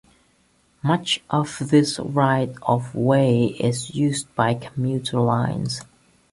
Much of this right of way is used by commuter lines.